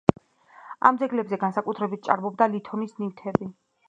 ამ ძეგლებზე განსაკუთრებით ჭარბობდა ლითონის ნივთები.